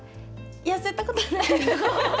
痩せたことはない。